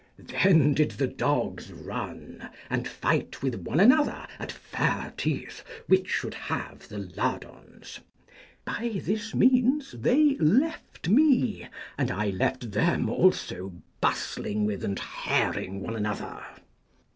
Then did the dogs run, and fight with one another at fair teeth which should have the lardons. By this means they left me, and I left them also bustling with and hairing one another.